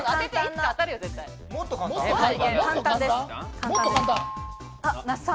もっと簡単な。